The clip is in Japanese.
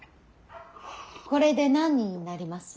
これで何人になります。